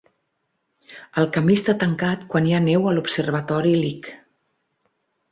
El camí està tancat quan hi ha neu a l'Observatori Lick.